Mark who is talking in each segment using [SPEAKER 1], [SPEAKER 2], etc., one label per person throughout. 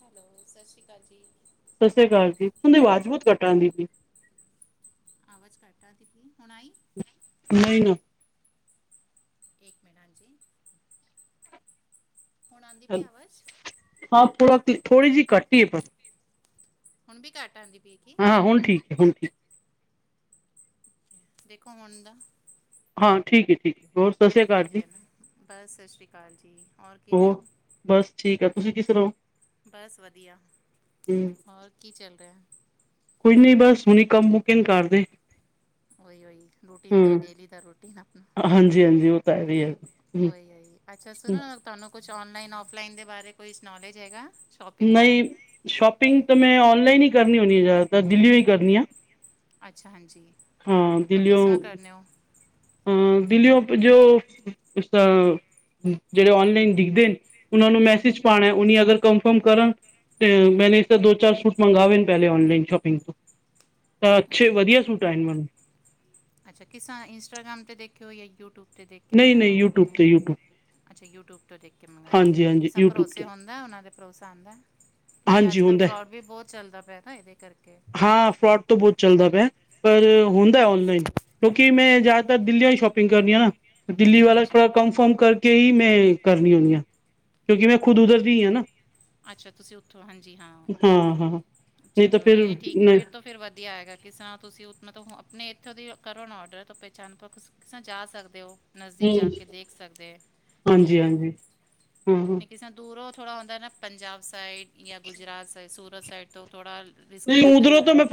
[SPEAKER 1] Hello, ਸਤਿ ਸ੍ਰੀ ਅਕਾਲ ਜੀ।
[SPEAKER 2] ਸਤਿ ਸ੍ਰੀ ਅਕਾਲ ਜੀ। ਉਂਦੇ ਵਾਜ ਬੋਤ ਘਟ ਆਂਦੀ ਪੀ।
[SPEAKER 1] ਆਵਾਜ ਘਟ ਆਂਦੀ ਪੀ। ਹੁਣ ਆਈ?
[SPEAKER 2] ਨਈ ਨਾ
[SPEAKER 1] ਏਕ ਮਿਨਟ ਜੀ। ਹੁਣ ਆਂਦੀ ਪੀ ਆਵਾਜ਼?
[SPEAKER 2] ਹਾਂ ਥੋੜਾ ਥੋੜੀ ਜਿ ਘੱਟੀ ਈਏ ਪਰ
[SPEAKER 1] ਹੁਨ ਵੀ ਘੱਟ ਆਂਦੀ ਪੀਏ ਕਿ?
[SPEAKER 2] ਹਾਂ ਹੁਨ ਠੀਕ ਏ, ਹੁਨ ਠੀਕ।
[SPEAKER 1] ਦੇਖੋ ਹੁਣ ਦਾ?
[SPEAKER 2] ਹਾਂ ਠੀਕ ਏ ਠੀਕ। ਹੋਰ ਸਤਿ ਸ੍ਰੀ ਅਕਾਲ
[SPEAKER 1] ਠੀਕ
[SPEAKER 2] ਜੀ,
[SPEAKER 1] ਐ ਨਾ। ਬਸ ਸਤਿ ਸ਼੍ਰੀ ਅਕਾਲ ਜੀ, ਔਰ ਕਿਵੇਂ
[SPEAKER 2] ਹੋਰ
[SPEAKER 1] ਓ?
[SPEAKER 2] ਬਸ ਠੀਕ ਆ, ਤੁਸੀ ਕਿਸਰਾਂ ਓ?
[SPEAKER 1] ਬਸ ਵਧੀਆ, ਹੋਰ ਕੀ ਚੱਲ ਰੇਆ ਐ?
[SPEAKER 2] ਕੁਛ ਨੀ ਬਸ। ਹੁਨੀ ਕੰਮ ਮੁਕੇ ਨੇ ਘਰਦੇ।
[SPEAKER 1] ਓਈ ਓਈ, ਰੂਟੀਨ ਦਾ ਡੇਲੀ ਦਾ ਰੂਟੀਨ ਅਪਣਾ
[SPEAKER 2] ਹਾਂਜੀ ਹਾਂਜੀ ਓ ਤਾਂ ਹੈ ਵੀ ਐ।
[SPEAKER 1] ਓਈ ਓਈ, ਅੱਛਾ ਸੁਨੋ
[SPEAKER 2] ਹੂੰ,
[SPEAKER 1] ਤਾਨੂੰ ਕੁਛ ਔਨਲਾਈਨ ਔਫਲਾਈਨ ਦੇ ਬਾਰੇ ਕੋਈਸ ਨੌਲੇਜ ਹੈਗਾ‌?
[SPEAKER 2] ਨਈ ਸ਼ੋਪਿੰਗ ਤੇ ਮੈਂ ਔਨਲਾਈਨ ਈ ਕਰਨੀ ਹੋਨੀ ਆ ਜਾਦਾਤਰ, ਦਿਲੀਓ ਈ ਕਰਨੀ ਆਂ।
[SPEAKER 1] ਅੱਛਾ ਹਾਂਜੀ।
[SPEAKER 2] ਹਾਂ,
[SPEAKER 1] ਤਾਂ
[SPEAKER 2] ਦਿੱਲੀਓਂ।
[SPEAKER 1] ਕਿਸ ਤਰ੍ਹਾਂ ਕਰਨੇ ਹੋ
[SPEAKER 2] ਹਾਂ, ਦਿੱਲੀਓ ਜੋ ਜੇੜੇ ਓਨਲਾਈਨ ਦਿਖਦੇ ਨੇ ਉਨਾਂ ਨੂੰ ਮੈਸੇਜ
[SPEAKER 1] ਹਾਂਜੀ
[SPEAKER 2] ਪਾਣਾ ਓਨੀ ਅਗਰ ਕੰਪ ਤੇ ਮੈਂਨੇ ਇਸ ਤਰਾਂ ਦੋ ਚਾਰ ਸੂਟ ਮੰਗਾਵੇ ਨ ਪੈਲੇ ਔਨਲਾਈਨ ਸ਼ੋਪਿੰਗ ਤੋਂ ਤਾਂ ਅੱਛੇ
[SPEAKER 1] ਓਕੇ
[SPEAKER 2] ਵਧੀਆ ਸੂਟ ਆਏ ਨ ਮੈਨੂੰ।
[SPEAKER 1] ਅੱਛਾ, ਕਿਸਾ ਇੰਸਟਾਗ੍ਰਾਮ ਤੇ ਦੇਖਿਓ ਯਾਂ ਯੂਟਿਊਬ ਤੇ ਦੇਖ ਕੇ
[SPEAKER 2] ਨਹੀਂ
[SPEAKER 1] ਮੰਗਾਏਆ
[SPEAKER 2] ਨਹੀਂ
[SPEAKER 1] ਓ
[SPEAKER 2] ਯੂਟਿਊਬ ਤੇ ਯੂਟਿਊਬ
[SPEAKER 1] ਅੱਛਾ, ਯੂਟਿਊਬ ਤੋਂ ਦੇਖ ਕੇ ਮੰਗਾਏਓ
[SPEAKER 2] ਹਾਂਜੀ ਹਾਂਜੀ
[SPEAKER 1] ਕਿਸਾ
[SPEAKER 2] ਯੂਟਿਊਬ
[SPEAKER 1] ਭਰੋਸੇ
[SPEAKER 2] ਤੋਂ
[SPEAKER 1] ਹੁੰਦਾ ਓਨਾਂ ਤੇ ਭਰੋਸਾ ਹੋਂਦੈ? ਕਿਉਂਕਿ
[SPEAKER 2] ਹਾਂਜੀ
[SPEAKER 1] ਅੱਜ-ਕੱਲ
[SPEAKER 2] ਹੁੰਦਾ
[SPEAKER 1] ਫਰੋਡ ਵੀ ਬੋਤ ਚੱਲਦਾ ਪੇਆ ਨਾ ਏਦੇ ਕਰਕੇ।
[SPEAKER 2] ਹਾਂ, ਫਰੋਡ ਤੋ ਬੋਤ ਚੱਲਦਾ ਪੇਆ ਪਰ ਹੁੰਦਾ
[SPEAKER 1] ਹਾਂਜੀ
[SPEAKER 2] ਐ ਔਨਲਾਈਨ। ਕਿਉਂਕਿ ਮੈਂ ਜਆਦਾਤਰ ਦਿੱਲੀਓਂ ਈ ਸ਼ੋਪਿੰਗ ਕਰਨੀ ਆ ਨਾ ਦਿੱਲੀ ਵਾਲਾ
[SPEAKER 1] ਹਾਂਜੀ
[SPEAKER 2] ਥੋੜਾ ਕੰਨਫਰਮ ਕਰ ਕੇਈ ਮੈਂ ਕਰਨੀ ਹੋਨੀ ਆਂ। ਕਿਉਂਕਿ ਮੈਂ ਖੁਦ ਉਧਰ ਦੀ ਈ ਨਾ।
[SPEAKER 1] ਅੱਛਾ ਤੁਸੀਂ ਉੱਥੋਂ ਹਾਂਜੀ ਹਾਂ।
[SPEAKER 2] ਨਹੀਂ ਤਾਂ
[SPEAKER 1] ਚਲੋ,
[SPEAKER 2] ਫਿਰ
[SPEAKER 1] ਨਈ ਏ ਠੀਕ
[SPEAKER 2] ਨਹੀਂ
[SPEAKER 1] ਫਿਰ ਤੋਂ ਫਿਰ ਵਧੀਆ ਆਏਗਾ। ਕਿਸਰਾਂ ਤੁਸੀ ਮਤਲਬ ਅਪਨੇ ਇੱਥੋਂ ਦੀ ਕਰੋ ਨਾ ਔਡਰ ਤੋਂ ਪਹਚਾਨ ਤੋਂ ਕਿਸਰਾਂ ਜਾ ਸਕਦੇ ਓ। ਨਜ਼ਦੀਕ
[SPEAKER 2] ਹਮ
[SPEAKER 1] ਜਾ ਕੇ ਦੇਖ ਸਕਦੇ, ਕੀ
[SPEAKER 2] ਹਾਂਜੀ
[SPEAKER 1] ਹੈ,
[SPEAKER 2] ਹਾਂਜੀ ਹਾਂ ਹਾਂ
[SPEAKER 1] ਨਹੀਂ ਕਿਸ ਨਾ ਦੂਰੋਂਥੜਾ ਹੁੰਦਾ ਨਾ ਪੰਜਾਬ ਸਾਈਡ ਜਾਂ ਗੁਜਰਾਤ ਸਾਈਡ ਸੂਰਤ ਸਾਈਡ। ਤੋ ਥੋੜਾ ਰਿਸਕੀ ਲਗ
[SPEAKER 2] ਨਹੀਂ ਉਧਰੋਂ
[SPEAKER 1] ਜਾਂਦਾ।
[SPEAKER 2] ਤਾਂ ਮੈਂ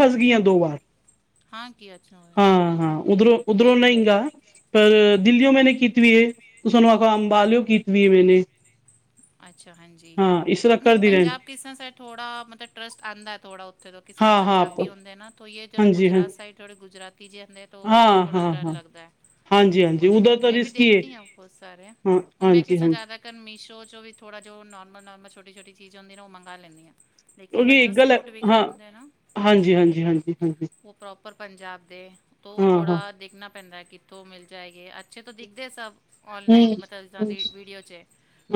[SPEAKER 1] ਹਾਂ ਕੀਛ
[SPEAKER 2] ਹਾਂ-ਹਾਂ ਉਧਰੋ-ਉਧਰੋ ਨਾਈਿੰਗਾ। ਪਰ ਦਿੱਲੀਓ ਮੈਨੇ ਕੀਤੀ ਵੀ ਸਾਨੂੰ ਆਖੋ ਅੰਬਾਲਿਓ ਕੀਤੀ ਵੀਏ ਮੈਨੇ।
[SPEAKER 1] ਅੱਛਾ ਹਾਂਜੀ।
[SPEAKER 2] ਇਸ
[SPEAKER 1] ਤੋ
[SPEAKER 2] ਤਰ੍ਹਾਂ
[SPEAKER 1] ਨਹੀਂ
[SPEAKER 2] ਕਰਦੀ ਰਹਿਣੀ
[SPEAKER 1] ਪੰਜਾਬ ਕਿਸ ਤਰ੍ਹਾਂ ਸ ਥੋੜ੍ਹਾ ਮਤਲਬ ਟਰੱਸਟ ਆਉਂਦਾ ਥੋੜ੍ਹਾ ਉੱਥੇ ਤੋਂ ਕਿਸ ਤਰ੍ਹਾਂ
[SPEAKER 2] ਹਾਂ ਹਾਂ
[SPEAKER 1] ਪੰਜਾਬੀ ਹੁੰਦੇ ਨਾ। ਤਈ ਜਿਹੜਾ
[SPEAKER 2] ਹਾਂਜੀ ਹਾਂ
[SPEAKER 1] ਗੁਜਰਾਤ ਸਾਈਡ ਥੋੜੀ ਗੁਜਰਾਤੀ ਜਦੇ ਤੋ
[SPEAKER 2] ਹਾਂ
[SPEAKER 1] ਥੋੜਾ
[SPEAKER 2] ਹਾਂ
[SPEAKER 1] ਡਰ
[SPEAKER 2] ਹਾਂ
[SPEAKER 1] ਲੱਗਦਾ ਹੈ।
[SPEAKER 2] ਹਾਂਜੀ ਹਾਂਜੀ
[SPEAKER 1] ਉਹਦੇ
[SPEAKER 2] ਉਧਰ
[SPEAKER 1] ਕਰ
[SPEAKER 2] ਤਾਂ
[SPEAKER 1] ਮੈਂ ਵੀ
[SPEAKER 2] ਰਿਸਕੀ ਹੈ
[SPEAKER 1] ਦੇਖਦੀ ਹਾਂ ਬਹੁਤ ਸਾਰੇ
[SPEAKER 2] ਹਾਂ
[SPEAKER 1] ਹੁਣ ਮੈਂ
[SPEAKER 2] ਹਾਂਜੀ
[SPEAKER 1] ਕਿਸ ਨਾਲ
[SPEAKER 2] ਹਾਂਜੀ
[SPEAKER 1] ਜ਼ਿਆਦਾ ਲੇਕਨ ਮੀਸ਼ੋ ਵੀ ਥੋੜ੍ਹਾ ਜੋ ਨੋਰਮਲ- ਨੋਰਮਲ, ਛੋਟੀ-ਛੋਟੀ ਚੀਜ਼ ਹੁੰਦੀ ਉਹ ਮੰਵਾ ਲੈਂਦੀ ਹਾਂ।
[SPEAKER 2] ਕਿਉਂਕਿ ਇੱਕ ਗੱਲ ਏ। ਹਾਂ, ਹਾਂਜੀ- ਹਾਂਜੀ- ਹਾਂਜੀ- ਹਾਂਜੀ।
[SPEAKER 1] ਪ੍ਰੋਪਰ ਪੰਜਾਬ ਦੇ। ਤੋਂ
[SPEAKER 2] ਹਾਂ ਹਾਂ
[SPEAKER 1] ਥੋੜ੍ਹਾ ਦੇਖਣਾ ਪੈਂਦਾ ਕਿੱਥੋਂ ਮਿਲ ਜਾਏਗੇ। ਜਿਦੋ ਦਿਖਦੇ ਸਬ, ਔਨਲਾਈਨ ਮਤਬਲ ਜਾਦਾ
[SPEAKER 2] ਹਮ
[SPEAKER 1] ਵਾਡੀਓ ਚ'ਏ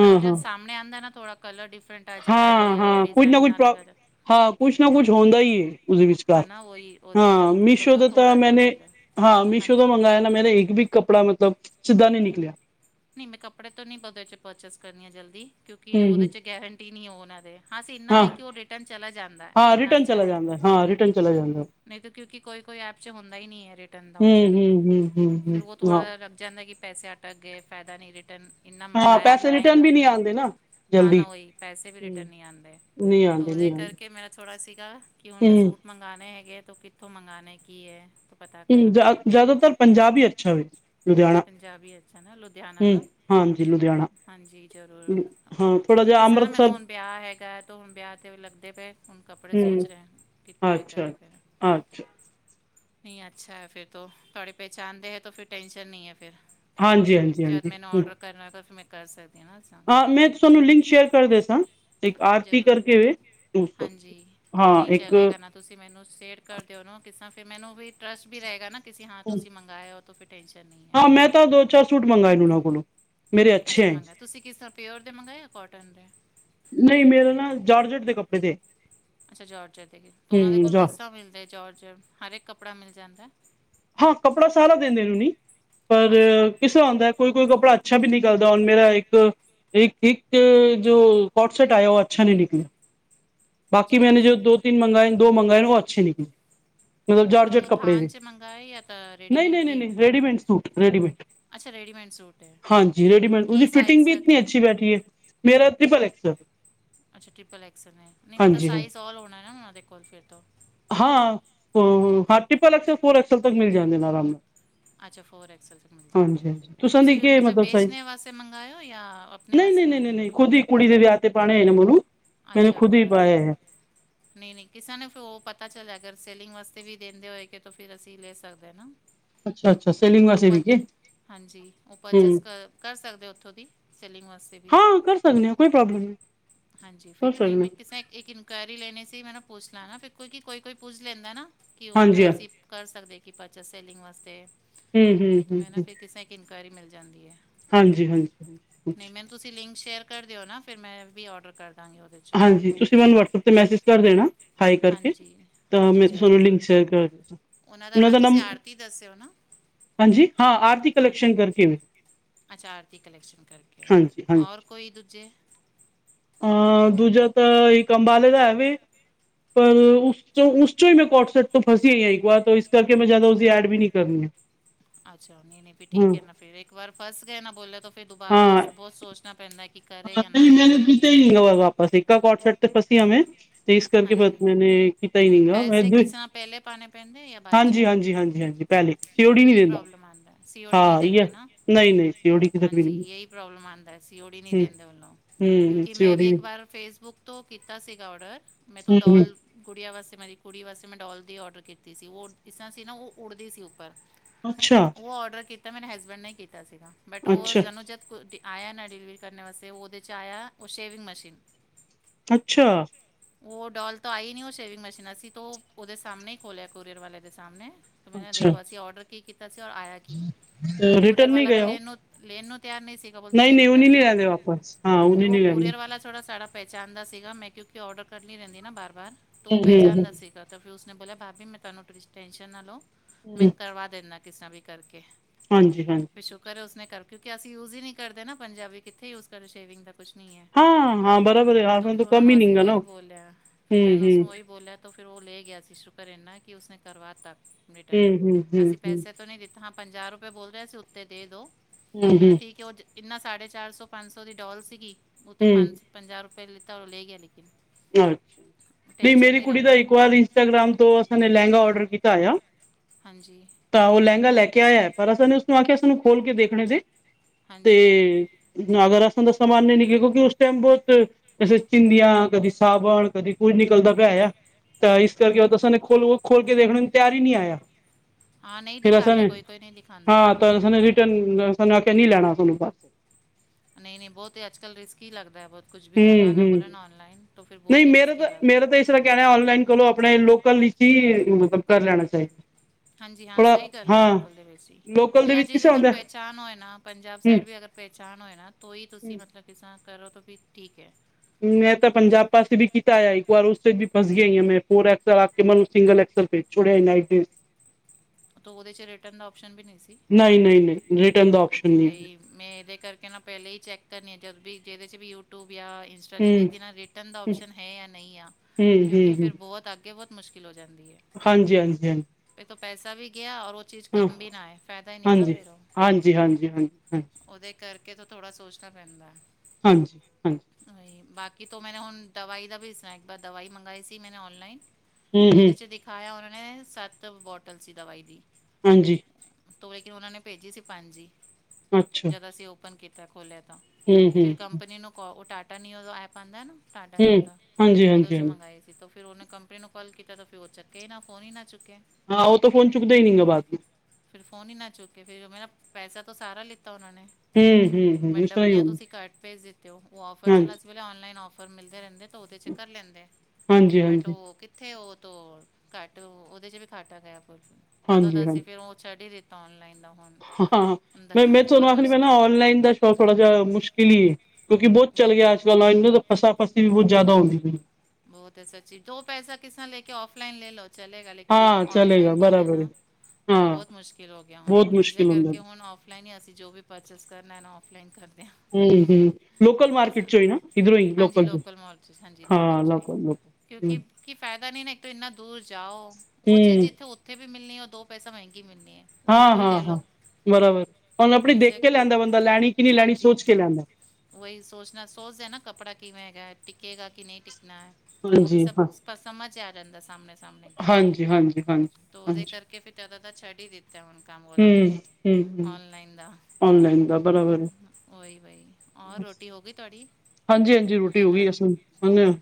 [SPEAKER 1] ਬਟ ਉਹ
[SPEAKER 2] ਹਾਂ
[SPEAKER 1] ਸਾਹਮਣੇ ਆਉਂਦਾ ਨਾ ਥੋੜਾ ਕਲਰ ਡਿਫਰੈਂਟ ਆ ਜਾਂਦਾ
[SPEAKER 2] ਹਾਂ
[SPEAKER 1] ਜਾਂ ਕੋਈ
[SPEAKER 2] ਹਾਂ ਕੁੱਝ ਨਾ
[SPEAKER 1] ਡਿਜ਼ਾਇਨ
[SPEAKER 2] ਕੁੱਝ ਪ੍ਰੋ
[SPEAKER 1] ਅਲਗ- ਅਲੱਗ
[SPEAKER 2] ਹਾਂ, ਕੁਛ ਨਾ ਕੁਛ ਹੁੰਦਾ ਹੀ ਹੈ, ਉਸਦੇ ਵਿਚਕਾਰ,
[SPEAKER 1] ਹੈ ਨਾ ਉਹੀ ਉਹਦੇ
[SPEAKER 2] ਹਾਂ,
[SPEAKER 1] ਕਰਕੇ
[SPEAKER 2] ਮੀਸ਼ੋ
[SPEAKER 1] ਫਿਰ ਉਹ
[SPEAKER 2] ਦਾ ਤਾਂ
[SPEAKER 1] ਥੋੜਾ ਡਰ
[SPEAKER 2] ਮੈਨ
[SPEAKER 1] ਲੱਗਦਾ ਹੈ।
[SPEAKER 2] ਹਾਂ, ਮੀਸ਼ੋ ਤੋਂ
[SPEAKER 1] ਹਾਂਜੀ
[SPEAKER 2] ਮੰਗਵਾਆ ਨਾ ਮੇਰਾ ਇੱਕ ਵੀ ਕੱਪੜਾ ਮਤਲਬ ਸਿੱਧਾ ਨੀ ਨਿਕਲਿਆ।
[SPEAKER 1] ਨਹੀਂ ਮੈਂ ਕੱਪੜੇ ਤੋਂ ਨਹੀਂ ਉਹਦੇ ਪਰਚੇਸ ਕਰਨੀ ਆ ਜਲਦੀ, ਕਿਉਂਕਿ
[SPEAKER 2] ਹੂੰ
[SPEAKER 1] ਉਹਦੇ
[SPEAKER 2] ਹੂੰ।
[SPEAKER 1] ਗੈਰੰਟੀ ਨਹੀਂ ਉਹ ਉਹਨਾਂ ਦੇ। ਹਾਂ, ਬਸ ਇੰਨਾ ਹੈ ਕਿ ਉਹ ਰਿਟਰਨ ਚਲਾ ਜਾਂਦਾ,
[SPEAKER 2] ਹਾਂ
[SPEAKER 1] ਇੰਨਾ
[SPEAKER 2] ਰਿਟਰਨ
[SPEAKER 1] ਅੱਛਾ
[SPEAKER 2] ਚਲਾ
[SPEAKER 1] ਹੈ। ਕਿ
[SPEAKER 2] ਜਾਂਦਾ ਹਾਂ ਰਿਟਨ ਚਲਾ ਜਾਂਦਾ।
[SPEAKER 1] ਨਹੀਂ ਤਾਂ ਕਿਉਂਕਿ ਕੋਈ- ਕੋਈ ਐਪ ਚ' ਹੁੰਦਾ ਹੀ ਨਹੀਂ ਹੈ ਰਿਟਰਨ ਦਾ
[SPEAKER 2] ਹੂੰ
[SPEAKER 1] ਓਪਸ਼ਨ।
[SPEAKER 2] ਹੂੰ ਹੂੰ ਹੂੰ
[SPEAKER 1] ਫਿਰ
[SPEAKER 2] ਹੂੰ।
[SPEAKER 1] ਉਹ
[SPEAKER 2] ਹਾਂ
[SPEAKER 1] ਥੋੜ੍ਹਾ ਲੱਗ ਜਾਂਦਾ ਕਿ ਪੈਸੇ ਅਟਕ ਗਏ ਫਾਇਦਾ ਨਹੀਂ ਰਿਟਰਨ। ਇੰਨਾ
[SPEAKER 2] ਹਾਂ
[SPEAKER 1] ਮੰਗਾਇਆ ਵੀ
[SPEAKER 2] ਪੈਸੇ ਰਿਟਰਨ
[SPEAKER 1] ਮਹਿੰਗਾ।
[SPEAKER 2] ਨਹੀਂ ਆਂਦੇ ਨਾ
[SPEAKER 1] ਹਾਂ
[SPEAKER 2] ਜਲਦੀ।
[SPEAKER 1] ਨਾ ਉਹੀ ਪੈਸੇ ਵੀ ਰਿਟਰਨ
[SPEAKER 2] ਹੂੰ।
[SPEAKER 1] ਨਹੀਂ ਆਉਂਦੇ।
[SPEAKER 2] ਨਹੀਂ
[SPEAKER 1] ਤਾਂ
[SPEAKER 2] ਆਉਂਦੇ,
[SPEAKER 1] ਉਹਦੇ
[SPEAKER 2] ਨੀ ਆਉਂਦੇ।
[SPEAKER 1] ਕਰਕੇ ਮੇਰਾ ਥੋੜ੍ਹਾ ਸੀਗਾ, ਕਿ ਹੁਣ ਮੈਂ ਸੂਟ ਮੰਗਗਾਉਣੇ ਹੈਗੇ ਅਤੇ ਕਿੱਥੋਂ ਮੰਗਾਵਾਉਣੇ ਕੀ ਹੈ? ਪਤਾ
[SPEAKER 2] ਹੂ,
[SPEAKER 1] ਕਰਾਂ ਫਿਰ
[SPEAKER 2] ਜ਼ਿਆਦਾਤਰ ਪੰਜਾਬ ਹੀ ਅੱਛਾ ਹੋ ਲੁਧਿਆਣਾ।
[SPEAKER 1] ਪੰਜਾਬੀ ਅੱਛਾ ਨਾ ਲੁਧਿਆਣਾ
[SPEAKER 2] ਹੂ
[SPEAKER 1] ਨਾ
[SPEAKER 2] ਹਾਂਜੀ ਲੁਧਿਆਣਾ।
[SPEAKER 1] ਹਾਂਜੀ ਜ਼ਰੂਰ,
[SPEAKER 2] ਲੁ ਹਾਂ ਥੋੜਾ
[SPEAKER 1] ਨਹੀਂ
[SPEAKER 2] ਜਿਹਾ
[SPEAKER 1] ਕਿਸੇ
[SPEAKER 2] ਅੰਮ੍ਰਿਤਸਰ
[SPEAKER 1] ਮੈਨੂੰ ਹੁਣ ਵਿਆਹ ਹੈਗਾ ਤ ਹੁਣ ਵਿਆਹ ਤੇ ਲੱਗਦੇ ਪਏ। ਹੁਣ ਕੱਪੜੇ
[SPEAKER 2] ਹੂੰ।
[SPEAKER 1] ਸੋਚ ਰਹੇ ਕਿੱਥੋਂ ਇਹ
[SPEAKER 2] ਅੱਛਾ
[SPEAKER 1] ਕਰੇ ਫਿਰ।
[SPEAKER 2] ਅੱਛਾ।
[SPEAKER 1] ਨਹੀਂ ਅੱਛਾ ਹੈ ਫੇਰ ਤੋਂ, ਥੋੜੀ ਪਹਿਚਾਦੇ ਹੈ ਫਿਰ ਟੈਂਨਸ਼ਨ ਨਹੀਂ ਹੈ ਫਿਰ।
[SPEAKER 2] ਹਾਂਜੀ ਹਾਂਜੀ
[SPEAKER 1] ਜਦ
[SPEAKER 2] ਹਾਂਜੀ
[SPEAKER 1] ਮੈਨੂੰ
[SPEAKER 2] ਹੂੰ।
[SPEAKER 1] ਔਡਰ ਕਰਨਾ ਤੇ ਫਿਰ ਮੈਂ ਕਰ ਸਕਦੀ ਹੈ।
[SPEAKER 2] ਹਾਂ ਮੈਂ ਤੁਹਾਨੂੰ ਲਿੰਕ ਸ਼ੇਅਰ ਕਰ ਦੇੱਸਾਂ, ਇੱਕ ਆਰਤੀ
[SPEAKER 1] ਜ਼ਰੂਰ
[SPEAKER 2] ਕਰਕੇ ਸੋ
[SPEAKER 1] ਹਾਂਜੀ
[SPEAKER 2] ਹਾਂ,
[SPEAKER 1] ਨਹੀਂ
[SPEAKER 2] ਇੱਕ
[SPEAKER 1] ਚਲੇਗਾ ਨਾ ਤੁਸੀਂ ਮੈਨੂੰ ਸ਼ੇਅਰ ਕਰ ਦਿਓ ਨਾ ਕਿਸ ਤ ਫਿਰ ਮੈਨੂੰ ਵੀ ਟਰੱਸਟ ਵੀ ਰਹੇਗਾ ਨਾ ਕਿ ਹਾਂ ਤੁਸੀਂ ਮੰਗਇਆ ਉਥੋਂ ਦੀ। ਤੋ ਫਿਰ ਟੈਂਸ਼ਨ ਨਹੀਂ ਹੈ।
[SPEAKER 2] ਤਾ ਦੋ-ਚਾਰ ਸੂਟ ਮੰਗਏ ਨੂੰ ਨਾ ਕੋਲ ਨੂੰ
[SPEAKER 1] ਅੱਛਾ ਮੰਗਾਇਆ ਤੁਸੀਂ ਕਿਸ ਤਰ੍ਹਾਂ ਪਿਓਰ ਦੇ ਮੰਗਏ ਜਾਂ ਕੋਟਨ ਦੇ?
[SPEAKER 2] ਨਹੀਂ ਮੇਰੇ ਨਾ ਜਾਰਜਟ ਦੇ ਕੱਪੜੇ ਤੇ।
[SPEAKER 1] ਅੱਛਾ ਜੋਰਜਟ ਦੇ, ਤਾਂ ਉਹਨਾਂ ਦੇ ਕੋਲ
[SPEAKER 2] ਜਾ
[SPEAKER 1] ਕਿ ਤਰ੍ਹਾਂ ਮਿਲਦਾ ਜੋਰਜਟ, ਹਰ ਇੱਕ ਕੱਪੜਾ ਮਿਲ ਜਾਂਦਾ।
[SPEAKER 2] ਹਾਂ ਕੱਪੜਾ ਸਾਰਾ ਦਿੰਦੇ ਨੂੰ ਨੀ, ਪਰ
[SPEAKER 1] ਅੱਛਾ
[SPEAKER 2] ਕਿਸਰਾ ਆਉਂਦਾ। ਕੋਈ- ਕੋਈ ਕੱਪੜਾ ਅੱਛਾ ਵੀ ਨਿਕਲਦਾ ਔ ਮੇਰਾ ਇੱਕ- ਇੱਕ ਜੋ ਕੋਡ ਸੈਟ ਆਇਆ ਉਹ ਅੱਛਾ ਨਹੀਂ ਨਿਕਲਾ। ਬਾਕੀ
[SPEAKER 1] ਅੱਛਾ ਉਹ
[SPEAKER 2] ਮੈਂਨੇ ਜੋ
[SPEAKER 1] ਅੱਛਾ
[SPEAKER 2] ਦੋ- ਤਿੰਨ ਮੰਗਗਾਏ ਦੋ ਮੰਗਗਾਏ ਨੇ ਉਹ ਅੱਛੇ ਨਹੀਂ।
[SPEAKER 1] ਓਕੇ
[SPEAKER 2] ਜੋਰਜਟ
[SPEAKER 1] ਤਾਂ
[SPEAKER 2] ਕੱਪੜੇ
[SPEAKER 1] ਥਾਨ
[SPEAKER 2] ਦੇ।
[SPEAKER 1] 'ਚ ਮੰਗਾਏ ਜਾਂ ਤਾਂ
[SPEAKER 2] ਨਹੀਂ-
[SPEAKER 1] ਰੈਡੀਮੇਡ
[SPEAKER 2] ਨਹੀਂ, ਨਹੀਂ-
[SPEAKER 1] ਵੀ ਹੈ
[SPEAKER 2] ਨਹੀਂ ਰੇਡੀਮੇਟ ਸੂਟ। ਰੈਡੀਮੇਡ,
[SPEAKER 1] ਅੱਛਾ ਰੈਡੀਮੇਡ ਸੂਟ ਹੈ
[SPEAKER 2] ਹਾਂਜੀ ਰੈਡੀਮੇਡ
[SPEAKER 1] ਕੀ
[SPEAKER 2] ਓਦੀ ਫਿਟਿੰਗ
[SPEAKER 1] ਸਾਈਜ਼
[SPEAKER 2] ਵੀ
[SPEAKER 1] ਤੱਕ
[SPEAKER 2] ਇਤਨੀ
[SPEAKER 1] ਨੇ
[SPEAKER 2] ਅੱਛੀ ਬੈਠੀ ਐ। ਮੇਰਾ ਟ੍ਰਿਪਲ ਐਕਸਲ।
[SPEAKER 1] ਅੱਛਾ, ਟ੍ਰਿਪਲ ਐਕਸਲ ਨੇ, ਨਈ ਮਤਲਬ
[SPEAKER 2] ਹਾਂਜੀ ਹਾਂ
[SPEAKER 1] ਸਾਈਜ਼ ਔਲ ਹੋਣਾ ਨਾ ਉਨਾਂ ਦੇ ਕੋਲ ਫੇਰ ਤੋਂ?
[SPEAKER 2] ਹਾਂ, ਹੂੰ-ਹੂੰ ਟ੍ਰਿਪਲ ਐਕਸਲ, ਫੋਰ ਐਕਸਲ ਤੱਕ ਮਿਲ ਜਾਂਦੇ ਨੇ ਆਰਾਮ ਨਾਲ।
[SPEAKER 1] ਅੱਛਾ, ਫੋਰ ਐਕਸ 'ਚ ਮਿਲ ਜਾਂਦੇ ਆ।
[SPEAKER 2] ਹਾਂਜੀ ਹਾਂਜੀ ਤੁਸਾਂ
[SPEAKER 1] ਤੁਸੀਂ
[SPEAKER 2] ਦੀ ਕੀ
[SPEAKER 1] ਮਤਲਬ
[SPEAKER 2] ਸਾਈਜ਼
[SPEAKER 1] ਵੇਚਣੇ ਵਾਸਤੇ ਮੰਗਾਏ ਓ, ਜਾਂ ਆਪਣੇ
[SPEAKER 2] ਨਹੀਂ
[SPEAKER 1] ਵਾਸਤੇ
[SPEAKER 2] ਨਹੀਂ ਨਹੀਂ ਨਹੀਂ
[SPEAKER 1] ਮੰਗਾਏ?
[SPEAKER 2] ਨਹੀਂ ਖੁਦ ਹੀ ਕੁੜੀ ਦੇ ਵਿਆਹ ਤੇ ਪਾਣੇ ਐ ਮੈਨੂੰ, ਮੈਨੇ ਖੁਦ ਹੀ ਪਾਇਆ ਐ।
[SPEAKER 1] ਨਈ-ਨਈ ਕਿਸੇ ਨੂੰ ਓ ਪਤਾ ਚੱਲਿਆ ਹੈਗਾ ਜੇ ਸੇਲਿੰਗ ਵਾਸਤੇ ਵੀ ਦੇਂਦੇ ਹੋਏਗੇ, ਫੇਰ ਅਸੀਂ ਲੈ ਸਕਦੇ ਆ ਨਾ।
[SPEAKER 2] ਅੱਛਾ-ਅੱਛਾ, ਸੇਲਿੰਗ
[SPEAKER 1] ਉਹ
[SPEAKER 2] ਵਾਸਤੇ ਵੀ
[SPEAKER 1] ਪਚ
[SPEAKER 2] ਕੇ?
[SPEAKER 1] ਹਾਂਜੀ, ਓ
[SPEAKER 2] ਹੂੰ
[SPEAKER 1] ਪਰਚੇਜ਼ ਕਰ ਸਕਦੇ ਓ ਉੱਥੋਂ ਦੀ ਸੈਲਿੰਗ ਵਾਸਤੇ ਵੀ।
[SPEAKER 2] ਦੇ ਕੋਈ ਪ੍ਰੋਬਲਮ ਨੀ।
[SPEAKER 1] ਹਾਂਜੀ ਫਿਟ ਨੀ ਕਿਸ ਏ ਕਰ ਈ ਲੈਣੇ ਸੀ, ਮੈਂ ਕਿਆ ਪੁੱਛ ਲਾਂ ਨਾ ਫੇਰ, ਕਿਓਕੇ ਕੋਈ-ਕੋਈ ਪੁੱਛ ਲੈਂਦਾ ਨਾ ਕਿ
[SPEAKER 2] ਹਾਂਜੀ
[SPEAKER 1] ਉਥੋਂ
[SPEAKER 2] ਹਾਂ
[SPEAKER 1] ਅਸੀਂ ਕਰ ਸਕਦੇ ਆ ਕਿ ਪਰਚੇਸ ਸੈਲਿੰਗ ਵਾਸਤੇ?
[SPEAKER 2] ਹੂੰ ਹੂੰ
[SPEAKER 1] ਤਾਂ
[SPEAKER 2] ਹੂੰ
[SPEAKER 1] ਮੈਂ ਨਾ ਫਿਰ ਕਿਸੇ ਇੱਕ ਇਨਕੁਆਇਰੀ ਮਿਲ ਜਾਂਦੀ ਐ।
[SPEAKER 2] ਹਾਂਜੀ-ਹਾਂਜੀ।
[SPEAKER 1] ਤੁਸੀਂ ਲਿੰਕ ਸ਼ੇਅਰ ਕਰ ਦਿਓ ਨਾ, ਫਿਰ ਮੈਂ ਵੀ ਔਡਰ ਕਰ ਦਾਂਗੀ ਓਹਦੇ।
[SPEAKER 2] ਹਾਂਜੀ, ਤੁਸੀਂ ਮੈਨੂੰ ਵਟਸਐਪ ਤੇ ਮੈਸੇਜ ਕਰ ਦੇਣਾ ਹਾਏ ਕਰਕੇ,
[SPEAKER 1] ਹਾਂਜੀ
[SPEAKER 2] ਤਾਂ ਮੈਂ ਤੁਹਾਨੂੰ ਲਿੰਕ ਸ਼ੇਅਰ ਕਰਦ
[SPEAKER 1] ਓਨਾਂ ਦਾ ਨਾਂ ਤੁਸੀਂ ਆਰਤੀ ਦੱਸਿਓ ਨਾ?
[SPEAKER 2] ਹਾਂਜੀ, ਹਾਂ ਆਰਤੀ ਕਲੈਕਸ਼ਨ ਕਰਕੇ।
[SPEAKER 1] ਅੱਛਾ, ਆਰਤੀ ਕਲੈਕਸ਼ਨ ਕਰਕੇ
[SPEAKER 2] ਹਾਂਜੀ
[SPEAKER 1] ਔਰ
[SPEAKER 2] ਹਾਂਜੀ
[SPEAKER 1] ਕੋਈ ਦੂਜੇ
[SPEAKER 2] ਅ, ਦੂਜਾ ਤਾਂ ਇੱਕ ਅੰਬਾਲੇ ਦਾ ਹੈ ਵੀ। ਪਰ ਉਸ ਚੋਂ, ਉਸ ਚੋਂ ਹੀ ਮੈਂ ਕੋਟਸੈਟ ਤੋਂ ਫਸੀ ਹੋਈ ਆ, ਇੱਕ ਵਾਰ ਇਸ ਕਰਕੇ ਮੈਂ ਜ਼ਿਆਦਾ ਉਸਦੀ ਐਡ ਵੀ ਨੀ ਕਰਦੀ।
[SPEAKER 1] [unintelligible] ਅੱਛਾ, ਨਈ-ਨਈ, ਫੇਰ ਠੀਕ ਹੈ ਨਾ ਫੇਰ ਇੱਕ ਵਾਰ ਫਸ ਗਏ ਨਾ ਬੋਲਿਆ, ਤਾਂ ਫੇਰ ਦੁਬਾਰਾ ਓ ਬੋਤ ਸੋਚਣਾ ਪੈਂਦਾ। ਕਰੇ ਜਾਂ ਨਾ
[SPEAKER 2] ਨਈ-ਨਈ, ਮੈਨੂੰ
[SPEAKER 1] ਕਰੇ
[SPEAKER 2] ਕੀਤਾ ਈ ਨੀ ਮੈ ਵਾਪਸ, ਇੱਕ ਕੋਟ ਸੈਟ ਤੇ ਫਸੀ ਐਵੇਂ। ਤੇ ਇਸ ਕਰਕੇ ਬਸ
[SPEAKER 1] ਹਾਂਜੀ
[SPEAKER 2] ਮੈਂ ਨੇ ਕੀਤਾ ਈ
[SPEAKER 1] ਫਿਰ
[SPEAKER 2] ਨੀਗਾ, ਮੈਂ
[SPEAKER 1] ਪੈਸੇ ਕਿਸੇ ਨਾਲ ਪਹਿਲੇ ਪਾਣੇ ਪੈਂਦੇ ਜਾਂ ਬਾਅਦ
[SPEAKER 2] ਹਾਂਜੀ,
[SPEAKER 1] ਚੋਂ
[SPEAKER 2] ਹਾਂਜੀ, ਹਾਂਜੀ, ਹਾਂਜੀ। ਪੈਲੇ ਸੀਓਡੀ ਨੀ ਦਿੰਦਾ।
[SPEAKER 1] ਸੀਓਡੀ ਨੀ
[SPEAKER 2] ਹਾਂ ਇਹ
[SPEAKER 1] ਦਿੰਦੇ ਨਾ?
[SPEAKER 2] ਨਹੀਂ ਨਹੀਂ ਸੀਓਡੀ ਕਿਧਰ ਵੀ
[SPEAKER 1] ਹਾਂਜੀ,
[SPEAKER 2] ਨਹੀਂ
[SPEAKER 1] ਯਈ ਪ੍ਰੋਬਲਮ ਆਂਦਾ, ਸੀਓਡੀ ਨੀ
[SPEAKER 2] ਹਮ
[SPEAKER 1] ਦਿੰਦੇ ਹੁਨ ਓ।
[SPEAKER 2] ਹਮ
[SPEAKER 1] ਕਿਓਕੇ ਮੈਂ
[SPEAKER 2] ਸੀਓਡੀ
[SPEAKER 1] ਵੀ ਇੱਕ
[SPEAKER 2] ਨਹੀਂ
[SPEAKER 1] ਵਾਰ ਫੇਸਬੁੱਕ ਤੋਂ ਕੀਤਾ ਸੀਗਾ ਔਡਰ, ਮੈਂਤੋਂ
[SPEAKER 2] ਹਮ
[SPEAKER 1] ਡੋਲ ਗੁੜੀਆਂ ਵਾਸਤੇ, ਮੈਂਰੀ ਕੁੜੀ ਵਾਸਤੇ, ਮੈਂ ਡੋਲ ਦੀ ਔਡਰ ਕੀਤੀ ਸੀ। ਓ ਇਸ ਤਰ੍ਹਾਂ ਸੀ ਨਾ, ਓ ਉੱੜਦੀ ਸੀ ਉੱਪਰ।
[SPEAKER 2] ਅੱਛਾ।
[SPEAKER 1] ਓ ਔਡਰ ਕੀਤਾ ਮੇਰੇ ਹੱਸਬੈਂਡ ਨੇ ਕੀਤਾ ਸੀਗਾ, ਬਟ ਓ
[SPEAKER 2] ਅੱਛਾ
[SPEAKER 1] ਸਾਨੂੰ ਜਦ ਕੁ ਆਇਆ ਨਾ ਡਿਲੀਵਰੀ ਕਰਨ ਵਾਸਤੇ, ਓਹਦੇ 'ਚ ਆਇਐ, ਓ ਸ਼ੇਵਿੰਗ ਮਸ਼ੀਨ।
[SPEAKER 2] ਅੱਛਾ।
[SPEAKER 1] ਓਡੋਲ ਤਾਂ ਆਈ ਨੀ, ਓ ਸ਼ੇਵਿੰਗ ਮਸ਼ੀਨ ਅਸੀਂ ਤਾਂ ਓਦੇ ਸਾਮਣੇ ਈ ਖੋਲਿਆ, ਕੋਰੀਅਰ ਵਾਲੇ ਦੇ ਸਾਮਣੇ। ਮੈਂ ਖਾ
[SPEAKER 2] ਅੱਛਾ
[SPEAKER 1] ਦੇਖੋ, ਅਸੀਂ ਆਰਡਰ ਕੀ ਕੀਤਾ ਸੀ, ਔਰ ਆਇਆ ਕੀ, ਤੇ ਓ
[SPEAKER 2] ਰਿਟਰਨ
[SPEAKER 1] ਕੂਰੀਅਰ
[SPEAKER 2] ਨਹੀਂ
[SPEAKER 1] ਵਾਲਾ ਵੀ
[SPEAKER 2] ਗਏ ਉਹ
[SPEAKER 1] ਲੈਣ ਨੂੰ ਲੇਣ ਨੂੰ ਤਿਆਰ ਨਈ ਸੀਗਾ। ਬੋਲਦੇ
[SPEAKER 2] ਨਹੀਂ
[SPEAKER 1] ਨਈ
[SPEAKER 2] ਨਹੀਂ ਉਹ
[SPEAKER 1] ਰਿਟਰਨ
[SPEAKER 2] ਨਹੀਂ
[SPEAKER 1] ਨੀ
[SPEAKER 2] ਲੈਂਦੇ
[SPEAKER 1] ਹੁੰਦਾ।
[SPEAKER 2] ਵਾਪਸ ਹਾਂ ਉਹ
[SPEAKER 1] ਫੇਰ ਓ
[SPEAKER 2] ਨਹੀਂ ਲੈਂਦੇ
[SPEAKER 1] ਕੁਰੀਅਰ ਵਾਲਾ ਥੋੜ੍ਹਾ ਸਾਡਾ ਪਹਿਚਾਣਦਾ ਸੀਗਾ। ਮੈਂ ਕਿਓਕੇ ਔਡਰ ਕਰਦੀ ਰੈਦੀਂ ਆ ਬਾਰ-ਬਾਰ, ਤਾਂ ਓ
[SPEAKER 2] ਹੂੰ
[SPEAKER 1] ਪਹਿਚਾਣਦਾ ਸੀਗਾ। ਤਾਂ ਫੇਰ ਓਸਨੇ ਬੋਲਿਆ ਬਾਬੀ ਮੈਂ ਤੁਆਨੂੰ ਤੁਸੀ ਟੈਂਸ਼ਨ ਨਾ ਲਓ, ਮੈਂ ਕਰਵਾ ਦਿੰਨਾ ਕਿਸ ਤਰ੍ਹਾਂ ਵੀ ਕਰਕੇ
[SPEAKER 2] ਹਾਂਜੀ-ਹਾਂਜੀ।
[SPEAKER 1] ਸ਼ੁਕਰ, ਉਸਨੇ ਕਰ ਕਿਓਕੇ ਅਸੀਂ ਯੂਜ਼ ਈ ਨੀ ਕਰਦੇ ਨਾ ਪੰਜਾਬੀ ਕਿੱਥੇ ਯੂਜ ਕਰਦੇ ਸ਼ੇਵਿੰਗ ਕੁਝ ਨਹੀਂ ਹੈ
[SPEAKER 2] ਹਾਂ-ਹਾਂ, ਬਰੋਬਰ ਆ,
[SPEAKER 1] ਤੋ
[SPEAKER 2] ਆਪਣੇ
[SPEAKER 1] ਫਿਰ
[SPEAKER 2] ਤੋਂ
[SPEAKER 1] ਉਹਨਾਂ
[SPEAKER 2] ਕੰਮ ਈ
[SPEAKER 1] ਨੂੰ
[SPEAKER 2] ਨੀ
[SPEAKER 1] ਅਸੀਂ
[SPEAKER 2] ਹੋਐ ਨਾ
[SPEAKER 1] ਉਹੀ
[SPEAKER 2] ਓ।
[SPEAKER 1] ਬੋਲਿਆ, ਫੇਰ ਮੈਂ ਉਸਨੂੰ ਏ ਬੋਲਿਆ ਤੇ ਫੇਰ ਓ ਲੇ ਗਿਆ ਸੀ। ਸ਼ੁਕਰ ਏਨ੍ਹਾਂ ਕਿ ਉਸਨੇ ਕਰਵਾ ਤਾਂ। ਰੀਟਰਨ,
[SPEAKER 2] ਹੂੰ ਹੂੰ ਹੂੰ
[SPEAKER 1] ਅਸੀਂ ਪੈਸੇ ਤੋਂ ਨੀ ਦਿੱਤੇ ਹਾਂ, ਪੰਜਾਹ ਰੁਪਏ ਬੋਲ ਰਿਆ ਸੀ ਉੱਤੇ ਦੇ ਦੋ।
[SPEAKER 2] ਹੂੰ
[SPEAKER 1] ਮੈਂ ਨਾ
[SPEAKER 2] ਹੂੰ
[SPEAKER 1] ਠੀਕ ਐ, ਓ ਇੰਨਾ ਸਾਢੇ ਚਾਰ-ਸੌ, ਪੰਜ-ਸੌ ਦੀ ਡੋਲ ਸੀਗੀ, ਓ ਤੋਂ ਪੰਜ
[SPEAKER 2] ਹੂੰ
[SPEAKER 1] ਪੰਜਾਹ ਰੁਪਏ ਲਿੱਤਾ, ਉਹ ਲੇ ਗਿਆ ਲੇਕਿਨ
[SPEAKER 2] ਅੱਛਾ, ਨਹੀੜਮੇਰੀ ਕੁੜੀ ਦਾ ਇੱਕ ਵਾਰ ਇੰਸਟਾਗ੍ਰਾਮ ਤੋਂ ਉਸਨੇ ਲਹਿੰਗਾ ਔਡਰ ਕੀਤਾ ਹੈਯਾ।
[SPEAKER 1] ਹਾਂਜੀ।
[SPEAKER 2] ਤਾਂ ੳਹ ਲਹੰਗਾ ਲੈ ਕੇ ਆਏਆ, ਪਰ ਅਸੀ ਉਸਨੂੰ ਆਖਿਆ, ਉਸਨੂੰ ਖੋਲ ਕੇ ਦੇਖਨੇ ਦੇ, ਤੇ ਅਗਰ ਅਸਾਂ ਦਾ ਸਮਾਨ ਨਈ ਨਿਕਲੇਗਾ ਕਿਉਂਕ ੳਸ ਟਾਈਮ ਬਹੁਤ ਚਿੰਦੀਆਂ ਕਦੀ ਸਾਬਨ ਕਦੀ ਕੁਛ ਨਿਕਲਦਾ ਪਇਆ ਹੈਗਾ, ਤਾਂ ਇਸ ਕਰਕੇ ੳ ਦੱਸਨਗੇ ਖੋਲੋ ਖੋਲ ਕੇ ਦੇਖਣ ਨੂੰ ਤਿਆਰ ਹੀ ਨੀ ਆਇਆ, ਫੇਰ ਅਸਾਂ ਨੇ, ਹਾਂ ਪਰਸਲ ਰਿਟਰਨ ਅਸਾਂ ਨੇ ਆਖਿਆ ਨੀ ਲੈਨਾ ਅਸਾਂ ਨੇ ਬਸ।
[SPEAKER 1] ਨਈ ਨਈ ਬੋਤ ਅੱਜਕਲ ਰਿਸਕੀ ਲੱਗਦਾ ਏ ਬੋਤ। ਕੁਛ ਵੀ
[SPEAKER 2] ਹੂੰ
[SPEAKER 1] ਮੰਗਾਨਾ
[SPEAKER 2] ਹੂੰ
[SPEAKER 1] ਬੋਲੇ ਨਾ ਔਨਲਾਈਨ ਤੋ ਫਿਰ ਬੋਹਤ ਈ ਰਿਸਕੀ ਲੱਗਦਾ।
[SPEAKER 2] ਚਲੋ ਅਪਨੇ ਲੋਕਲ ਈ ਚੀ ਮਤਲਬ ਕਰ ਲੈਨਾ ਚਾਈਦਾ।
[SPEAKER 1] ਹਾਂਜੀ ਹਾਂ, ਸਹੀ ਗੱਲ ਏ ਲੋਕਲ ਦੇ ਵਿੱਚ ਈ
[SPEAKER 2] ਲੋਕਲ ਦੇ
[SPEAKER 1] ਯਾਂ
[SPEAKER 2] ਵਿੱਚ
[SPEAKER 1] ਜਿਦੇ
[SPEAKER 2] ਕਿਸਾ
[SPEAKER 1] ਕੋਲ
[SPEAKER 2] ਹੁੰਦਾ
[SPEAKER 1] ਪਹਚਾਨ ਹੋਏ ਨਾ ਪੰਜਾਬ
[SPEAKER 2] ਹੂੰ
[SPEAKER 1] ਸਾਈਡ ਵੀ ਅਗਰ ਪਹਚਾਨ ਹੋਏ ਨਾ ਤੋਂ ਈ ਤੁਸੀ ਮਤਲਬ ਕਿਸਰਾਂ ਕਰੋ ਤੋ ਫਿਰ ਠੀਕ ਏ।
[SPEAKER 2] ਮੈਂ ਤਾਂ ਪੰਜਾਬ ਪਾਸੇ ਵੀ ਕੀਤਾ ਆਇਆ ਇੱਕ ਵਾਰ ਉਸੇ ਵੀ ਫਸ ਗਈ ਮੈਂ ਫੋਰ ਐਕਸਲ ਆਖ ਕੇ ਮੇਨੂੰ ਸਿੰਗਲ ਐਕਸਲ ਭੇ ਚੁੜੇ ਨਾਈਟ
[SPEAKER 1] ਤੋਂ ਉਦੇ ਚ ਰਿਟਰਨ ਦਾ ਓਪਸ਼ਨ ਵੀ ਨਈ ਸੀ।
[SPEAKER 2] ਨਹੀਂ ਨਹੀਂ ਨਹੀਂ ਰਿਟਰਨ ਦਾ
[SPEAKER 1] ਫਿਰ
[SPEAKER 2] ਆਪਸ਼ਨ ਨਹੀਂ
[SPEAKER 1] ਯੇ
[SPEAKER 2] ਹੈ
[SPEAKER 1] ਈ ਮੈਂ ਏਦੇ ਕਰਕੇ ਨਾ ਪੈਲੇ ਈ ਚੈੱਕ ਕਰਨੀ ਆ ਜਦ ਵੀ ਜਿਦੇ ਚ ਵੀ ਯੂਟੂਬ ਜਾਂ ਇੰਸਟ ਇੰਸਟਾ ਚ
[SPEAKER 2] ਹੂੰ
[SPEAKER 1] ਦੇਖ ਕੇ ਨਾ ਰਿਟਰਨ ਦਾ
[SPEAKER 2] ਹੂੰ
[SPEAKER 1] ਓਪਸ਼ਨ ਹੈ ਜਾਂ ਨਹੀ ਆ
[SPEAKER 2] ਹੂੰ
[SPEAKER 1] ਕਿਉਂਕਿ
[SPEAKER 2] ਹੂੰ
[SPEAKER 1] ਫਿਰ ਬੋਹਤ ਅੱਗੇ ਬੋਹਤ ਮੁਸ਼ਕਿਲ ਹੋ ਜਾਂਦੀ ਏ।
[SPEAKER 2] ਹਾਂਜੀ ਹਾਂਜੀ ਹਾਂਜੀ।
[SPEAKER 1] ਏਕ ਤੋਂ ਪੈਸਾ ਵੀ ਗਿਆ ਔਰ ਵੋ ਚੀਜ
[SPEAKER 2] ਹਾਂ
[SPEAKER 1] ਕੰਮ ਵੀ ਨਾ ਆਏ ਫੈਦਾ ਈ ਨੀ ਨਾ
[SPEAKER 2] ਹਾਂਜੀ
[SPEAKER 1] ਫੇਰ ੳਹ।
[SPEAKER 2] ਹਾਂਜੀ ਹਾਂਜੀ ਹਾਂਜੀ
[SPEAKER 1] ੳਦੇ ਕਰਕੇ ਤੋ ਥੋੜਾ ਸੋਚਨਾ ਪੈਂਦਾ ਏ।
[SPEAKER 2] ਹਾਂਜੀ, ਹਾਂਜੀ।
[SPEAKER 1] ਬਾਕੀ ਤੋਂ ਮੈ ਹੁਨ ਦਵਾਈ ਦਾ ਵੀ ਸੁਨਾ। ਇੱਕ ਵਾਰ ਦਵਾਈ ਮੰਗਵਾਈ ਸੀ ਮੈਨੇ ਔਨਲਾਈਨ
[SPEAKER 2] ਹੂੰ
[SPEAKER 1] ੳਦੇ
[SPEAKER 2] ਹੂੰ
[SPEAKER 1] ਚ ਦਿਖਾਯਾ ੳਨਾਂ ਨੇ ਸੱਤ ਬੋਟਲ ਸੀ ਦਵਾਈ ਦੀ
[SPEAKER 2] ਹਾਂਜੀ
[SPEAKER 1] ਤੋਂ ਲੇਕਿਨ ੳਨਾਂ ਨੇ ਭੇਜੀ ਸੀ ਪੰਜ ਈ,
[SPEAKER 2] ਅੱਛਾ
[SPEAKER 1] ਜਦ ਅਸੀ ਔਪਨ ਕੀਤਾ, ਖੋਲਿਆ ਤਾਂ।
[SPEAKER 2] ਹੂੰ ਹੂੰ
[SPEAKER 1] ਫਿਰ ਕੰਪਨੀ ਨੂੰ ਕਾੱਲ ੳਹ ਟਾਟਾ ਨਿੳ ਦਾ ਐਪ ਆਂਦਾ ਨਾ। ਟਾਟਾ ਨਿੳ
[SPEAKER 2] ਹੂੰ
[SPEAKER 1] ਦਾ
[SPEAKER 2] ਹਾਂਜੀ
[SPEAKER 1] ੳਦੇ
[SPEAKER 2] ਹਾਂਜੀ
[SPEAKER 1] ਚੋਂ
[SPEAKER 2] ਹਾਂਜੀ
[SPEAKER 1] ਮੰਗਾਏ ਸੀ। ਫਿਰ ਉਨੇ ਕੰਪਨੀ ਨੂੰ ਕੌਲ ਕੀਤਾ ਤਾਂ ਫਿਰ ਉਹ ਚੱਕੇ ਨਾ ਫੋਨ ਈ ਨਾ ਚੁੱਕੇ।
[SPEAKER 2] ਹਾਂ ਉਹ ਤੇ ਫੋਨ ਚੁੱਕਦੇ ਈ ਨਈ ਏ ਬਾਦ ਚ।
[SPEAKER 1] ਫਿਰ ਫੋਨ ਹੀ ਨਾ ਚੁੱਕੇ ਫਿਰ ੳਹ ਮੈਂ ਨਾ ਪੈਸਾ ਤੋਂ ਸਾਰਾ ਲਿੱਤਾ ੳਨਾਂ ਨੇ।
[SPEAKER 2] ਹੂੰ ਹੂੰ ਹੂੰ ਇਸ ਤਰਾਂ ਹੀ ਹੋਉ।
[SPEAKER 1] ਘਟ ਪੈਸੇ ਤੇ ੳਹ ੳਹ ਔਫਰ ਚਲਾ ਸੀ ੳ ਬੋਲੇਆ ਔਨਲਾਈਨ ਔਫਰ ਮਿਲਦੇ ਰੈੰਦੇ ਤੋ ੳਦੇ ਚ ਕਰ ਲੈਂਦੇ
[SPEAKER 2] ਹਾਂਜੀ ਹਾਂਜੀ
[SPEAKER 1] ਬਟ ੳਹ ਕਿ ਉੱਥੇ ਉਹ ਤੋਂ ਘੱਟ ਉਦੇ ਚ ਵੀ ਘਾਟਾ ਗਿਆ, ਤਦੋਂ
[SPEAKER 2] ਹਾਂਜੀ
[SPEAKER 1] ਦਾ
[SPEAKER 2] ਹਾਂਜੀ
[SPEAKER 1] ਅਸੀ ਫੇਰ ੳ ਛੱਡ ਹੀ। ਦਿੱਤਾ ਔਨਲਾਈਨ ਦਾ ਹੁਨ
[SPEAKER 2] ਹਾਂ, ਮੈਂ ਮੈਂ ਤੁਹਾਨੂੰ ਆਖਣੀ ਪੀ ਨਾ ਮੈਂ
[SPEAKER 1] ਹੈ
[SPEAKER 2] ਔਨਲਾਈਨ ਦਾ ਸ਼ੋਕ ਥੋੜਾ ਜਿਹਾ ਮੁਸ਼ਕਿਲ ਈ ਏ। ਕਿਉਂਕਿ ਬਹੁਤ ਚੱਲ
[SPEAKER 1] ਉਹੀ
[SPEAKER 2] ਗਿਆ
[SPEAKER 1] ਨਾ
[SPEAKER 2] ਅੱਜ-ਕਲ ਏਨਾਂ ਦਾ ਫਸਾ ਫਸੀ ਵੀ ਬੋਹਤ ਜਾਦਾ ਹੁੰਦੀ ਪਈ ਏ।
[SPEAKER 1] ਬੋਤ ਅੱਛਾ ਜੀ ਦੋ ਪੈਸਾ ਕਿਸਾਂ ਲੈ ਕੇ ਔਫਲਾਈਨ ਲੇ ਲੋ। ਚਲੇਗਾ ਲੇਕਿਨ
[SPEAKER 2] ਹਾਂ
[SPEAKER 1] ੳਹ
[SPEAKER 2] ਚਲੇਗਾ
[SPEAKER 1] ਔਨਲਾਈਨ ਬੋਲਦੇ
[SPEAKER 2] ਬਰਾਬਰ ਹੈ
[SPEAKER 1] ਨਾ
[SPEAKER 2] ਹਾਂ
[SPEAKER 1] ਬੋਤ ਮੁਸ਼ਕਿਲ ਹੋ ਗਿਆ ਹੁਨ
[SPEAKER 2] ਬਹੁਤ
[SPEAKER 1] ਇਸੇ
[SPEAKER 2] ਮੁਸ਼ਕਿਲ ਹੁੰਦਾ
[SPEAKER 1] ਕਰਕੇ ਹੁਨ ਨਈ ਨਈ ਅਸੀ ਜੋ ਵੀ ਪਰਚੇਸ ਕਰਨਾ ਨਾ ਔਫਲਾਈਨ ਕਰਦੇ ਹਾਂ।
[SPEAKER 2] ਹੂੰ ਹੂੰ ਲੋਕਲ ਮਾਰਕਿਟ
[SPEAKER 1] ਕਿਸਾਨ
[SPEAKER 2] ਚੋਂ ਈ ਨਾ, ਏਧਰੋਂ ਈ
[SPEAKER 1] ਹਾਂਜੀ
[SPEAKER 2] ਲੋਕਲ ਚ।
[SPEAKER 1] ਮਾਲ ਹਾਂਜੀ ਲੋਕਲ
[SPEAKER 2] ਹਾਂ
[SPEAKER 1] ਚੋਂ ਈ।
[SPEAKER 2] ਲੋਕਲ ਹੂੰ
[SPEAKER 1] ਕਿਉਂਕਿ, ਕੀ ਫਾਇਦਾ ਨੀ ਨਾ। ਇੱਕ ਤਾਂ ਇੰਨਾ ਦੂਰ ਜਾਓ। ਉਹ ਚੀਜ਼
[SPEAKER 2] ਹੂੰ
[SPEAKER 1] ਇੱਥੇ ਉੱਥੇ ਵੀ ਮਿਲਣੀ। ਉਹ ਦੋ ਪੈਸਾ ਮਹਿੰਗੀ ਮਿਲਣੀ ਐ।
[SPEAKER 2] ਹਾਂ-ਹਾਂ-ਹਾਂ। ਬਰਾਬਰ, ਹੁਣ ਆਪਣੀ ਦੇਖ
[SPEAKER 1] ਇਸੇ
[SPEAKER 2] ਕੇ ਲੈਂਦਾ ਬੰਦਾ। ਲੈਂਣੀ ਕਿ ਨਹੀਂ ਲੈਂਣੀ ਸੋਚ ਕੇ ਲੈਂਦਾ।
[SPEAKER 1] ਉਹੀ ਸੋਚਣਾ, ਸੋਚਦੇ ਆ ਨਾ ਕੱਪੜਾ ਕਿਵੇਂ ਹੈਗਾ। ਟਿਕੇਗਾ ਕਿ ਨਹੀਂ ਟਿਕਣਾ ਐ। ਉਹ ਵੀ
[SPEAKER 2] ਹਾਂਜੀ
[SPEAKER 1] ਸਭ,
[SPEAKER 2] ਹਾਂ
[SPEAKER 1] ਪਰ ਸਮਝ ਆ ਜਾਂਦਾ ਸਾਹਮਣੇ ਸਾਮਣੇ ਤੋਂ।
[SPEAKER 2] ਹਾਂਜੀ ਹਾਂਜੀ ਹਾਂਜੀ
[SPEAKER 1] ਤੋ ਉਹਦੇ
[SPEAKER 2] ਹਾਂਜੀ
[SPEAKER 1] ਕਰਕੇ ਫਿਰ ਜਿਆਦਾ ਤਰ ਛੱਡ ਈ ਦਿੱਤਾ, ਹੁਣ ਕੰਮ ਵਾਲਾ।
[SPEAKER 2] ਹੂੰ ਹੂੰ ਹੂੰ
[SPEAKER 1] ਔਨਲਾਈਨ ਦਾ।
[SPEAKER 2] ਔਨਲਾਈਨ ਦਾ ਬਰਾਬਰ
[SPEAKER 1] ਉਹੀ ਵਹੀ, ਔਰ ਰੋਟੀ ਹੋਗੀ ਤੁਆਡੀ?
[SPEAKER 2] ਹਾਂਜੀ-ਹਾਂਜੀ, ਰੋਟੀ ਹੋਗੀ। ਅਸੀਂ ਹੁਣ ਵੇਨੇ ਆ।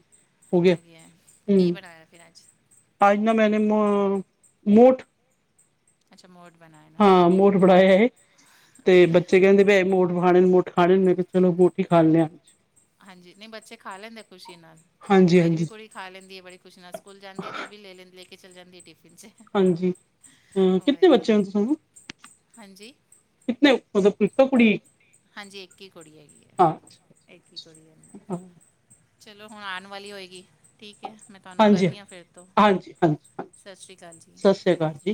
[SPEAKER 2] ਹੋ ਗਿਆ,
[SPEAKER 1] ਹੈ। ਕੀ
[SPEAKER 2] ਹੂ
[SPEAKER 1] ਬਣਾਇਆ ਫਿਰ ਅੱਜ
[SPEAKER 2] ਆਜ ਨਾ ਮੈਨੇ ਨੋ-ਨੋਟ
[SPEAKER 1] ਅੱਛਾ, ਮੋਠ ਬਣਾਏ।
[SPEAKER 2] ਹਾਂ, ਮੋਠ [unintelligible] ਤੇ ਬੱਚੇ ਕਹਿੰਦੇ
[SPEAKER 1] ਉਹੀ
[SPEAKER 2] ਪਏ ਮੋਠ ਵੋ ਖਾਣੇ ਮੁੱਠ ਖਾਣੇ। ਮੈ ਕਿਆ ਚਲੋ ਰੋਟੀ ਖਾਨੇ ਆ।
[SPEAKER 1] ਹਾਂਜੀ, ਨਹੀਂ ਬੱਚੇ ਖਾ ਲੈਂਦੇ ਖ਼ੁਸ਼ੀ ਨਾਲ।
[SPEAKER 2] ਹਾਂਜੀ
[SPEAKER 1] ਮੇਰੀ ਵੀ
[SPEAKER 2] ਹਾਂਜੀ
[SPEAKER 1] ਕੁੜੀ ਖਾ ਲੈਂਦੀ ਏ, ਬੜੀ ਖੁਸ਼ੀ ਨਾਲ। ਸਕੂਲ ਜਾਂਦੀ ਏ ਤੇ ਉਹ ਵੀ ਲੇ ਲੈਂਦੀ, ਲੇ ਕੇ ਚਲ ਜਾਂਦੀ ਏ ਟਿਫਨ 'ਚ।
[SPEAKER 2] ਹਾਂਜੀ, ਹੂੰ ਕਿਤਨੇ
[SPEAKER 1] ਉਹੀ
[SPEAKER 2] ਬੱਚੇ ਐ ਜੀ ਤਾਨੂੰ?
[SPEAKER 1] ਹਾਂਜੀ
[SPEAKER 2] ਕਿਤਨੇ ਮਤਲਬ, ਇੱਕ ਤਾਂ ਕੁੜੀ
[SPEAKER 1] ਹਾਂਜੀ, ਇੱਕ ਈ ਕੁੜੀ ਹੈਗੀ
[SPEAKER 2] ਹਾਂ
[SPEAKER 1] ਏ। ਇੱਕ ਹੀ ਕੁੜੀ ਹੈਗੀ। ਚਲੋ, ਹੁਣ ਆਣ ਵਾਲੀ ਹੋਏਗੀ। ਠੀਕ ਏ, ਮੈਂ ਤੁਹਾਨੂੰ
[SPEAKER 2] ਹਾਂਜੀ ਹਾਂਜੀ
[SPEAKER 1] ਕਰਨੀ ਆ ਫੇਰ ਤੋਂ।
[SPEAKER 2] ਹਾਂਜੀ ਹਾਂਜੀ
[SPEAKER 1] ਸਾਸਰੀ ਕਾਲ ਜੀ।
[SPEAKER 2] ਸਤਿ ਸ੍ਰੀ ਅਕਾਲ ਜੀ